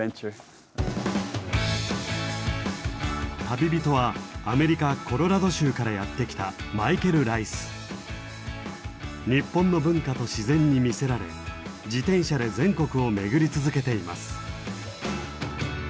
旅人はアメリカ・コロラド州からやって来た日本の文化と自然に魅せられ自転車で全国を巡り続けています。